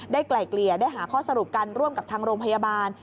ไกล่เกลี่ยได้หาข้อสรุปกันร่วมกับทางโรงพยาบาล